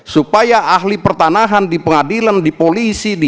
supaya ahli pertanahan di pengadilan di polisi